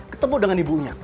ketemu dengan ibunya